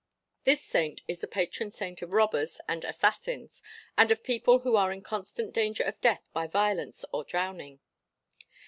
This saint is the patron of robbers and assassins, and of people who are in constant danger of death by violence or drowning.